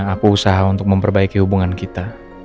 apa usaha untuk memperbaiki hubungan kita